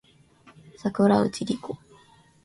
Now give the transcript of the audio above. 桜内梨子